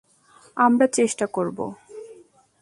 আমরা চেষ্টা করবো।